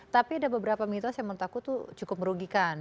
tapi ada beberapa mitos yang menurut aku tuh cukup merugikan